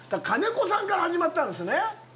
金子さんから始まったんですね。